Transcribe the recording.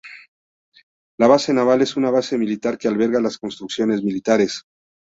La base naval es una base militar que alberga las construcciones militares.